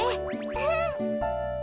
うん。